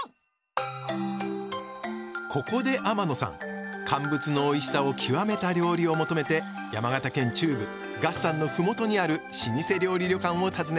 ここで天野さん乾物のおいしさを極めた料理を求めて山形県中部月山の麓にある老舗料理旅館を訪ねました